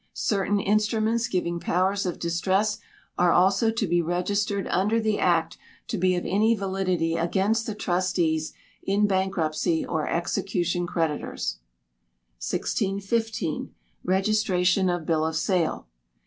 Certain instruments giving powers of distress are also to be registered under the Act to be of any validity against the trustees in bankruptcy or execution creditors. 1615. Registration of Bill of Sale.